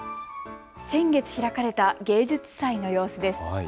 先月開かれた芸術祭の様子です。